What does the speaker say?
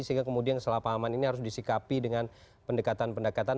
sehingga kemudian kesalahpahaman ini harus disikapi dengan pendekatan pendekatan